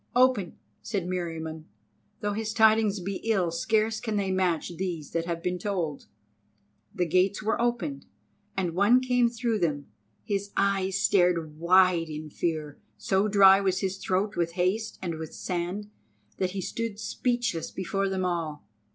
"Open!" said Meriamun, "though his tidings be ill, scarce can they match these that have been told." The gates were opened, and one came through them. His eyes stared wide in fear, so dry was his throat with haste and with the sand, that he stood speechless before them all.